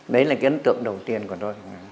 đấy là cái ấn tượng đầu tiên của tôi